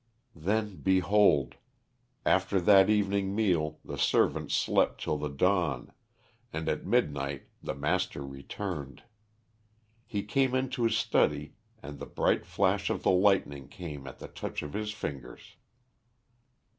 Then, behold, after that evening meal the servants slept till the dawn, and at midnight the master returned. He came into his study and the bright flash of the lightning came at the touch of his fingers."